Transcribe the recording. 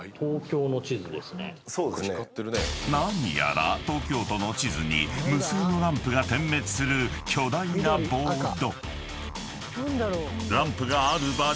［何やら東京都の地図に無数のランプが点滅する巨大なボード］